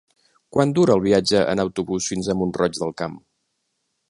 Quant dura el viatge en autobús fins a Mont-roig del Camp?